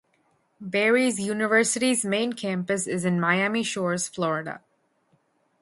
Barry University's main campus is in Miami Shores, Florida.